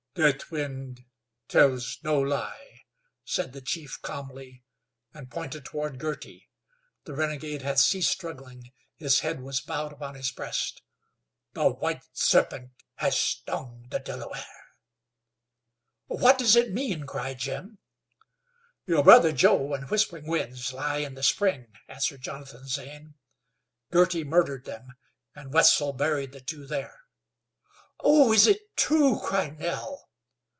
"Deathwind tells no lie," said the chief, calmly, and pointed toward Girty. The renegade had ceased struggling, his head was bowed upon his breast. "The white serpent has stung the Delaware." "What does it mean?" cried Jim. "Your brother Joe and Whispering Winds lie in the spring," answered Jonathan Zane. "Girty murdered them, and Wetzel buried the two there." "Oh, is it true?" cried Nell.